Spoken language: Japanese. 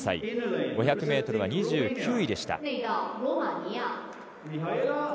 ５００ｍは２９位でした。